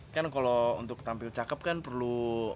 kan kalau untuk tampil cakep kan perlu